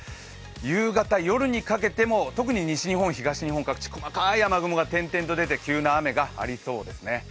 夕方、夜にかけても特に西日本、東日本の各地、細かい雨雲が点々と出て、急な雨がありそうですね。